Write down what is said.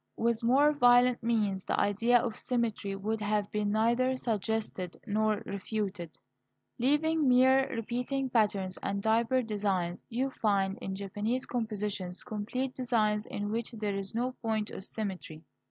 With more violent means the idea of symmetry would have been neither suggested nor refuted. Leaving mere repeating patterns and diaper designs, you find, in Japanese compositions, complete designs in which there is no point of symmetry.